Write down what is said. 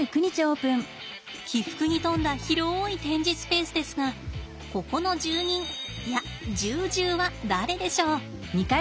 起伏に富んだ広い展示スペースですがここの住人いや住獣は誰でしょう？